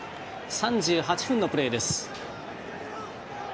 ３８分のプレーです。